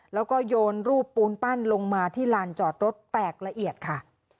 แล้วก็โยนรูปปูนปั้นลงมาที่ลานจอดรถแตกละเอียดค่ะ